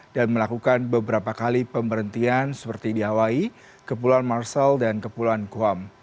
dan melakukan beberapa kali pemberhentian seperti di hawaii kepulauan marshall dan kepulauan guam